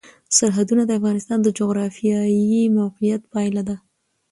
سرحدونه د افغانستان د جغرافیایي موقیعت پایله ده.